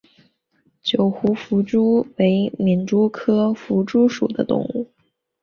九湖弗蛛为皿蛛科弗蛛属的动物。